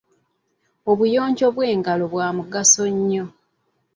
Obuyonjo bw'engalo bwa mugaso nnyo.